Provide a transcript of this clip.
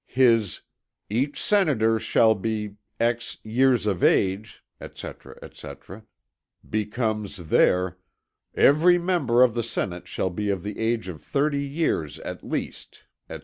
His "Each senator shall be years of age" etc., etc., becomes their "Every member of the senate shall be of the age of thirty years at least" etc.